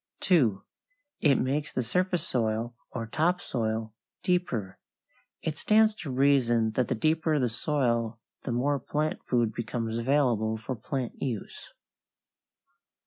2. It makes the surface soil, or topsoil, deeper. It stands to reason that the deeper the soil the more plant food becomes available for plant use.